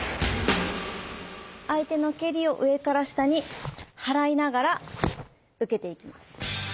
相手の蹴りを上から下に払いながら受けていきます。